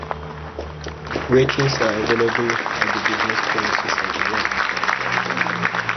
Ratings are available at the business premises and online.